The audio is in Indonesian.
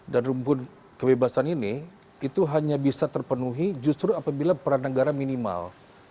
dan rumpun kebebasan ini itu hanya bisa terpenuhi justru apabila peran negara minimal